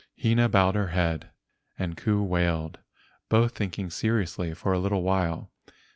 Hina bowed her head and Ku wailed, both thinking seriously for a little while.